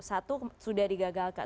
satu sudah digagal kak